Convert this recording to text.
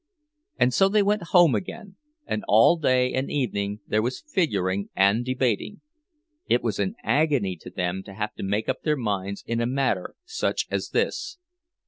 And so they went home again, and all day and evening there was figuring and debating. It was an agony to them to have to make up their minds in a matter such as this.